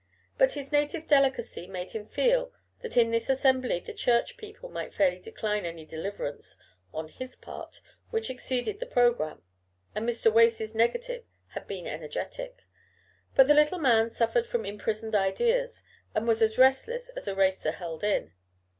But his native delicacy made him feel that in this assembly the Church people might fairly decline any "deliverance" on his part which exceeded the programme, and Mr. Wace's negative had been energetic. But the little man suffered from imprisoned ideas, and was as restless as a racer held in.